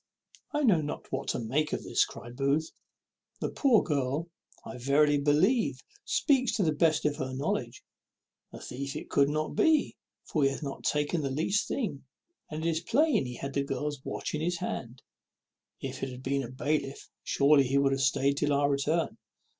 "I know not what to make of this," cries Booth. "The poor girl, I verily believe, speaks to the best of her knowledge. A thief it could not be, for he hath not taken the least thing; and it is plain he had the girl's watch in his hand. If it had been a bailiff, surely he would have staid till our return.